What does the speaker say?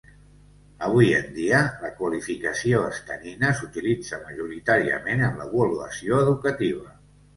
Avui en dia, la qualificació estanina s'utilitza majoritàriament en l'avaluació educativa.